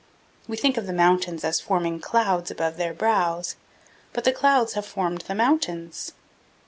We think of the mountains as forming clouds about their brows, but the clouds have formed the mountains.